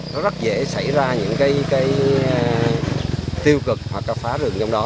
nó rất dễ xảy ra những cái tiêu cực hoặc là phá rừng trong đó